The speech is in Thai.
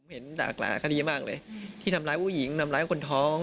ด่ากลาคดีมากเลยที่ทำร้ายผู้หญิงทำร้ายคนท้อง